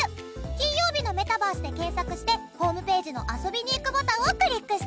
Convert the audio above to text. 『金曜日のメタバース』で検索してホームページの遊びに行くボタンをクリックしてね。